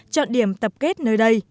chọn điểm tập kết nơi đây